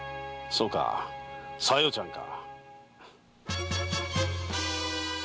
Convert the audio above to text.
そうか“小夜ちゃん”か。